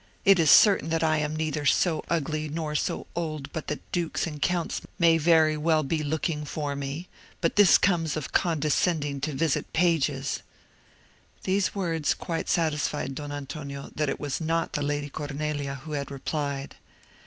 It is certain that I am neither so ugly nor so old but that dukes and counts may very well be looking for me: but this comes of condescending to visit pages." These words quite satisfied Don Antonio that it was not the Lady Cornelia who had replied.